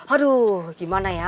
aduh gimana ya